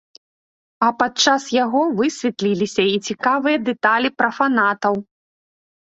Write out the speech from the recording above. А падчас яго высветліліся і цікавыя дэталі пра фанатаў.